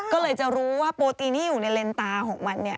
ก็เลยจะรู้ว่าโปรตีนที่อยู่ในเลนตาของมันเนี่ย